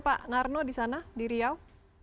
pak narno disana di riau